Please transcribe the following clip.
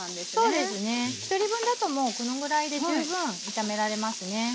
そうですねひとり分だとこのぐらいで十分炒められますね。